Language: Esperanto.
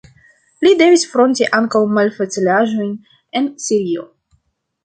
Li devis fronti ankaŭ malfacilaĵojn en Sirio.